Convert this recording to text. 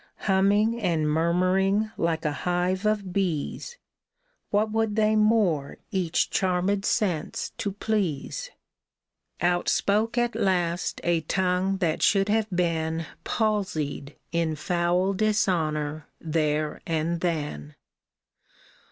Humming and murmuring like a hive of bees — What would they more each charmed sense to please ? Out spoke at last a tongue that should have been Palsied in foul dishonor there and then.